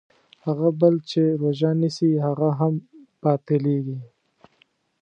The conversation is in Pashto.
هغه بل چې روژه نیسي هغه هم باطلېږي.